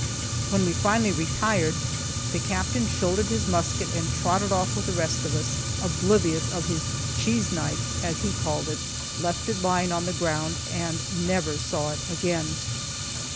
When we finally retired, the Captain shouldered his musket and trotted off with the rest of us, oblivious of his "cheese knife," as he called it, left it lying on the ground, and never saw it again.